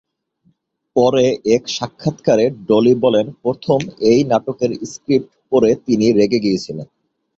পরে এক সাক্ষাৎকারে ডলি বলেন প্রথমে এই নাটকের স্ক্রিপ্ট পড়ে তিনি রেগে গিয়েছিলেন।